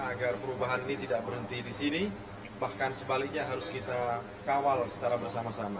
agar perubahan ini tidak berhenti di sini bahkan sebaliknya harus kita kawal secara bersama sama